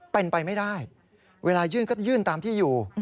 เป็นไปไม่ได้เวลายื่นก็ยื่นตามที่อยู่